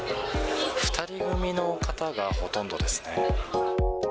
２人組の方がほとんどですね。